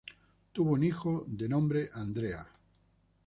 Tuvo un hijo, de nombre Andrea.